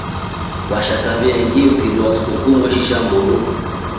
Vashaka vyenyengi mfiri wa sukuku veshinja mburu.